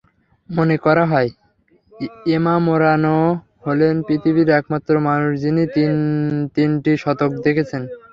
মনে করা হয়, এমা মোরানো হলেন পৃথিবীর একমাত্র মানুষ, যিনি তিন-তিনটি শতক দেখেছেন।